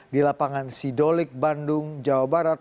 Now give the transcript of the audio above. di lapangan sidolik bandung jawa barat